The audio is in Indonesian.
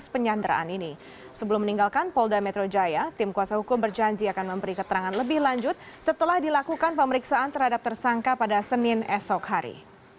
sebelum meninggalkan polda metro jaya tim kuasa hukum berjanji akan memberi keterangan lebih lanjut setelah dilakukan pemeriksaan terhadap tersangka pada senin esok hari